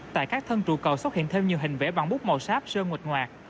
tại các thân trụ cầu xuất hiện thêm nhiều hình vẽ bằng bút màu sáp sơn ngụt ngoạt